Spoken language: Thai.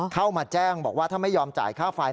เข้ามาแจ้งบอกว่าถ้าไม่ยอมจ่ายค่าไฟ